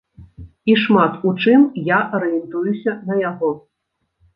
І шмат у чым я арыентуюся на яго.